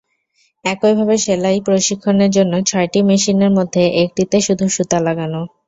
একইভাবে সেলাই প্রশিক্ষণের জন্য ছয়টি মেশিনের মধ্যে একটিতে শুধু সুতা লাগানো।